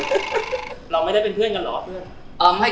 เราไม่ได้เป็นเพื่องกันหรอ